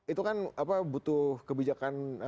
itu kan butuh kebijakan